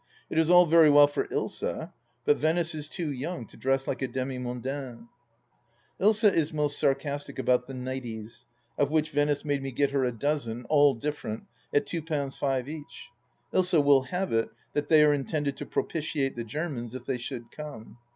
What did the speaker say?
It is all very well for Ilsa, but Venice is too young to dress like a demi mondaine ! Ilsa is most sarcastic about the " nighties," of which Venice made me get her a dozen, all different, at two pounds five each. Ilsa wUl have it that they are intended to pro pitiate the Germans if they should come.